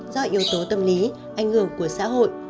do yếu tố tâm lý ảnh hưởng của xã hội